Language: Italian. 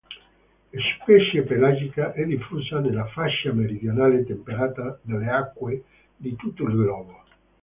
Specie pelagica, è diffusa nella fascia meridionale temperata delle acque di tutto il globo.